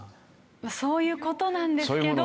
まあそういう事なんですけど。